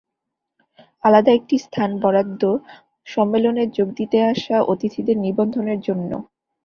আলাদা একটি স্থান বরাদ্দ সম্মেলনে যোগ দিতে আসা অতিথিদের নিবন্ধনের জন্য।